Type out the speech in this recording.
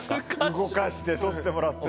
動かして撮ってもらって。